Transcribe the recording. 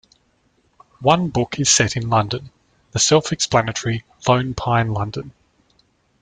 One book is set in London, the self-explanatory "Lone Pine London".